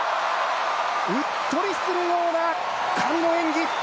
うっとりするような圧巻の演技！